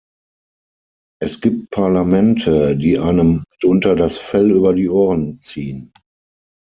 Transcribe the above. Es gibt Parlamente, die einem mitunter das Fell über die Ohren ziehen.